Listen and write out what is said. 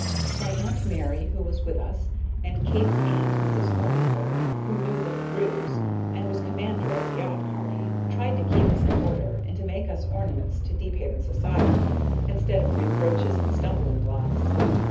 My Aunt Mary, who was with us, and Kate's aunt, Mrs. Thorniford, who knew the Carews, and was commander of the yacht party, tried to keep us in order, and to make us ornaments to Deephaven society instead of reproaches and stumbling blocks.